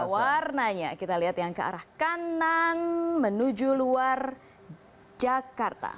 warnanya kita lihat yang ke arah kanan menuju luar jakarta